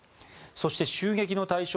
そして、襲撃の対象